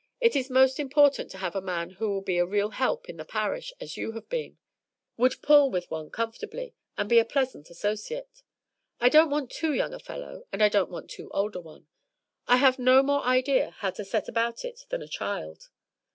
It is most important to have a man who will be a real help in the parish, as you have been, would pull with one comfortably, and be a pleasant associate. I don't want too young a fellow, and I don't want too old a one. I have no more idea how to set about it than a child.